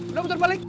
udah puter balik